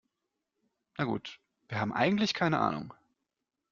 Na gut, wir haben eigentlich keine Ahnung.